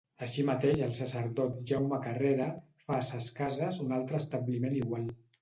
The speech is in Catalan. Així mateix el sacerdot Jaume Carrera fa a ses Cases un altre establiment igual.